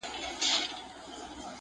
چي بې عزتو را سرتوري کړلې؛